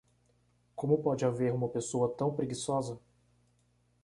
Como pode haver uma pessoa tão preguiçosa?